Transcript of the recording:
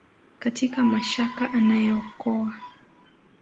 Katika mashaka anaokoa.